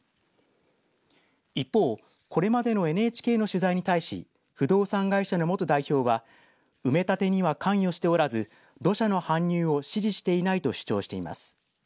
一方これまでのＮＨＫの取材に対し不動産会社の元代表は埋め立てには関与しておらず土砂の搬入を指示していないと主張しています。